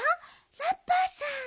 ラッパーさん。